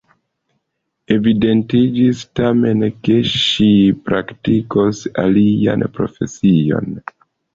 Evidentiĝis, tamen, ke ŝi praktikos alian profesion.